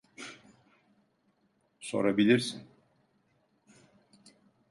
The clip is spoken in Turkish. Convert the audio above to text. Sorabilirsin.